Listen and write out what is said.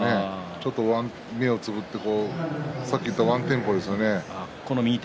ちょっと目をつぶって差しにいったワンテンポですよね。